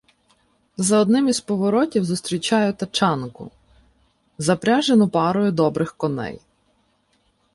За одним із поворотів зустрічаю тачанку, запряжену парою добрих коней.